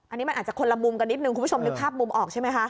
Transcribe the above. อันนี้มันอาจจะคนละมุมกันนิดนึงคุณผู้ชมนึกภาพมุมออกใช่ไหมคะ